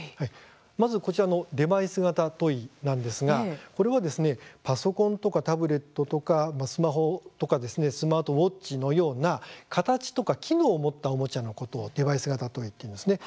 まずデバイス型トイなんですがこれはパソコンとかタブレットとかスマホとかスマートウオッチのような形とか機能を持ったおもちゃのことをデバイス型と言っていますね。